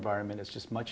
dan keadaan regulasi